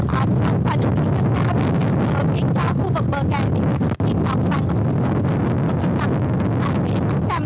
thì sản phẩm và nguyên nhân cao đã khiến khu vực bờ càng bị sạch lỡ và nguyên nhân cao đã bị sạch lỡ